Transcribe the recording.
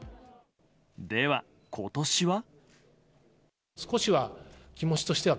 では、今年は？